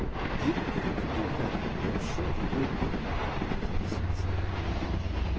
"Even if he could do that, I am sure he would not," said Miss Van Siever.